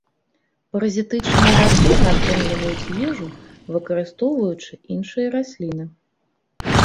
Паразітычныя расліны атрымліваюць ежу, выкарыстоўваючы іншыя расліны.